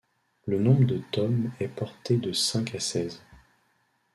Le nombre de tomes est porté de cinq à seize.